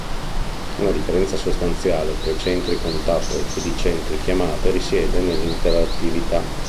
Una differenza sostanziale tra i centri contatto ed i centri chiamate risiede nell'interattività.